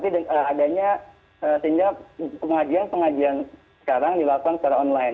dan sehingga pengajian pengajian sekarang dilakukan secara online